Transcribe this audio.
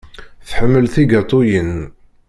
Tḥemmel tigaṭuyin.